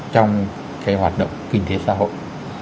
trong cái hoạt động kinh tế xã hội